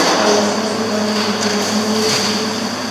ایا ستاسو پایلې د منلو دي؟